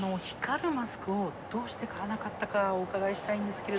光るマスクをどうして買わなかったかお伺いしたいんです